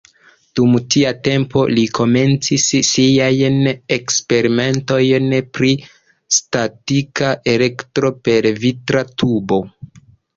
Dum tia tempo, li komencis siajn eksperimentojn pri statika elektro per vitra tubo.